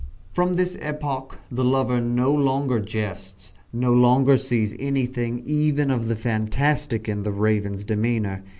From this epoch the lover no longer jests no longer sees anything even of the fantastic in the Raven's demeanour.